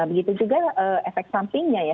begitu juga efek sampingnya ya